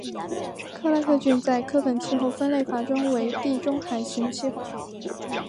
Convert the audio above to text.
克拉克郡在柯本气候分类法中为地中海型气候。